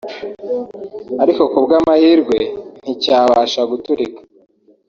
ariko kubw’amahirwe nti cyabasha guturika